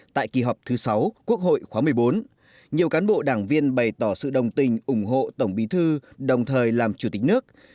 tại kỳ họp thứ sáu quốc hội khóa một mươi bốn nhiều cán bộ đảng viên bày tỏ sự đồng tình ủng hộ tổng bí thư đồng thời làm chủ tịch nước